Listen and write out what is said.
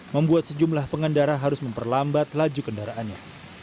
membuat sejumlah pengendara harus memperlambat laju kendaraannya